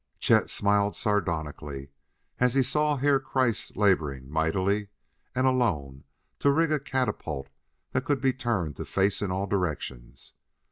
Chet smiled sardonically as he saw Herr Kreiss laboring mightily and alone to rig a catapult that could be turned to face in all directions.